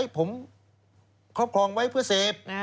ผมครอบครองไว้เพื่อเสพ